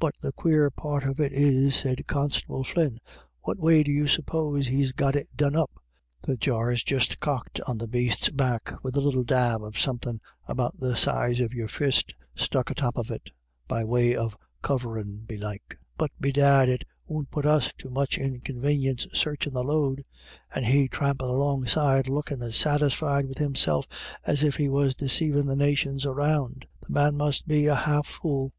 "But the quare part of it is," said Constable Flynn, " what way do you suppose he's got it done up ? The jar's just cocked on the baste's back with a little dab of something about the size of your fist stuck a top of it, by way of coverin* belike ; but, bedad, it won't put us to much inconvanience searchin' the load. And he trampin' alongside lookin* as satisfied with himself as if he was deceivin' the nations around. The man must be a half fool